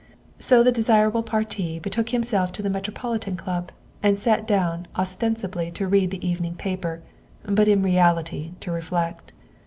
So the desirable parti betook himself to the Metro politan Club and sat down ostensibly to read the even ing paper, but in reality to reflect.